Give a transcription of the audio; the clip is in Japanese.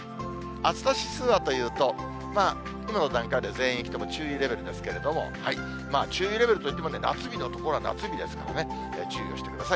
暑さ指数はといいますと、今の段階では全域とも注意レベルですけれども、注意レベルといっても夏日の所は夏日ですからね、注意をしてください。